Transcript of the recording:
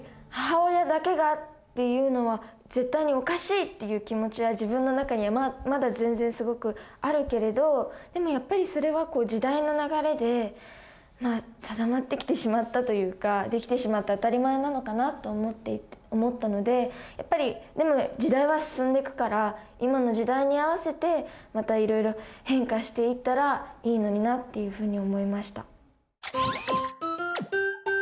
何かやっぱりっていう気持ちは自分の中にはまだ全然すごくあるけれどでもやっぱりそれは時代の流れで定まってきてしまったというか出来てしまって当たり前なのかなって思ったのでやっぱりでも時代は進んでいくから今の時代に合わせてまたいろいろ変化していったらいいのになっていうふうに思いました。